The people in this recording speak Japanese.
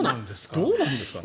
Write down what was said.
どうなんですか？